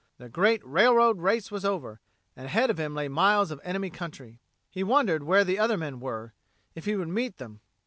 The great railroad race was over, and ahead of him lay miles of enemy country. He wondered where the other men were, if he would meet them.